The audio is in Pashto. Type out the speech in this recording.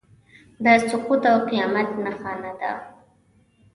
د سقوط او قیامت نښانه ده.